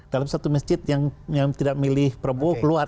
dalam satu masjid yang tidak memilih perbu keluar